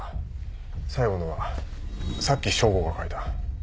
最後のはさっき匠吾が描いた。